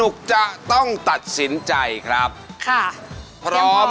วันที่เธอพบมันใจฉัน